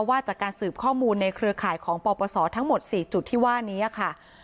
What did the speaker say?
ว่าจากการสืบข้อมูลในเครือข่ายของปปศทั้งหมด๔จุดที่ว่านี้ค่ะ